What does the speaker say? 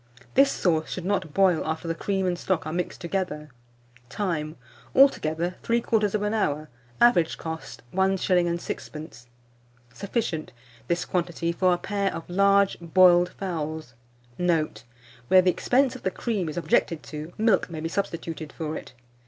This sauce should not boil after the cream and stock are mixed together. Time. Altogether, 3/4 hour. Average cost, 1s. 6d. Sufficient, this quantity, for a pair of large boiled fowls. Note. Where the expense of the cream is objected to, milk may be substituted for it.